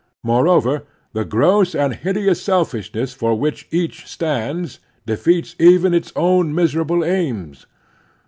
Moreover, the gross and hideous selfishness for which each stands defeats even its own miserable aims.